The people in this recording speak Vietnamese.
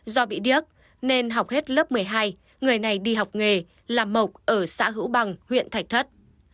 do bị điếc nên học hết lớp một mươi hai người này đi học nghề làm mộc ở xã hữu bằng huyện thạch thất